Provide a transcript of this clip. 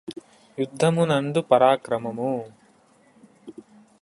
యుద్ధము నందు పరాక్రమము